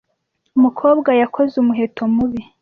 Umukobwa yakoze umuheto mubi.